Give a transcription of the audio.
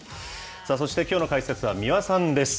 さあ、そしてきょうの解説は、三輪さんです。